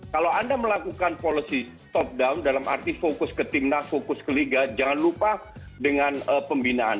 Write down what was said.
kalau anda melakukan policy top down dalam arti fokus ke timnas fokus ke liga jangan lupa dengan pembinaan